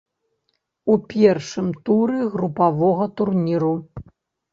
У першым туры групавога турніру.